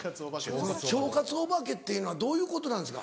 腸活おばけっていうのはどういうことなんですか？